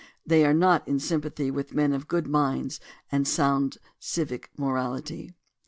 They are not in sympathy with men of good minds and sound civic morality.